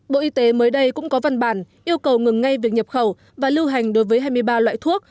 bộ y tế mới đây cũng có văn bản yêu cầu ngừng ngay việc nhập khẩu và lưu hành đối với hai mươi ba loại thuốc